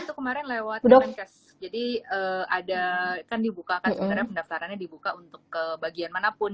itu kemarin lewat kemenkes jadi ada kan dibuka kan sebenarnya pendaftarannya dibuka untuk ke bagian manapun